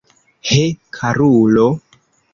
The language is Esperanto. He, karulo!